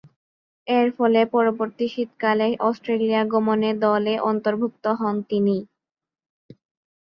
এরফলে, পরবর্তী শীতকালে অস্ট্রেলিয়া গমনে দলে অন্তর্ভুক্ত হন তিনি।